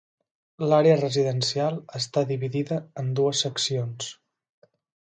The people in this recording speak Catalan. L'àrea residencial està dividida en dues seccions.